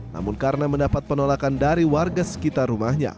namun karena mendapat penolakan dari warga sekitar rumahnya